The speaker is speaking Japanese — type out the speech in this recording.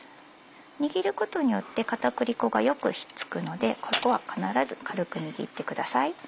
握ることによって片栗粉がよく引っ付くのでここは必ず軽く握ってください。